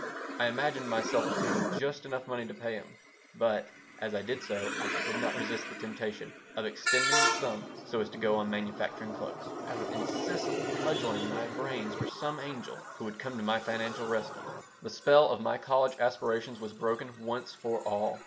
I imagined myself obtaining just enough money to pay him; but, as I did so, I could not resist the temptation of extending the sum so as to go on manufacturing cloaks. I was incessantly cudgeling my brains for some "angel" who would come to my financial rescue The spell of my college aspirations was broken once for all.